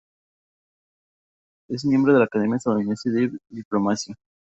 Es miembro de la Academia Estadounidense de Diplomacia.